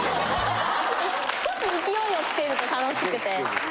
少し勢いをつけると楽しくて。